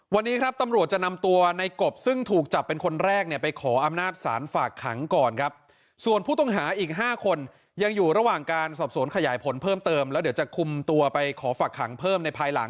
วันนี้ครับตำรวจจะนำตัวในกบซึ่งถูกจับเป็นคนแรกเนี่ยไปขออำนาจศาลฝากขังก่อนครับส่วนผู้ต้องหาอีก๕คนยังอยู่ระหว่างการสอบสวนขยายผลเพิ่มเติมแล้วเดี๋ยวจะคุมตัวไปขอฝากขังเพิ่มในภายหลัง